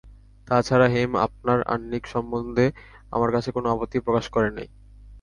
তা ছাড়া হেম আপনার আহ্নিক সম্বন্ধে আমার কাছে কোনো আপত্তি প্রকাশ করে নাই।